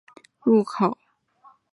此出入口只设北行出口与南行入口。